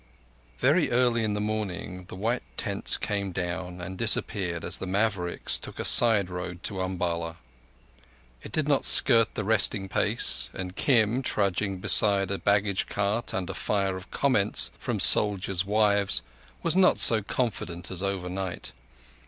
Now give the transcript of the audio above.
_ Very early in the morning the white tents came down and disappeared as the Mavericks took a side road to Umballa. It did not skirt the resting place, and Kim, trudging beside a baggage cart under fire of comments from soldiers' wives, was not so confident as overnight.